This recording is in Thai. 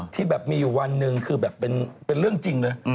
ที่แบบมีอยู่วันหนึ่งคือแบบเป็นเรื่องจริงเลย